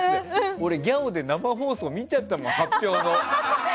俺、ＧＡＯで生放送見ちゃった発表の。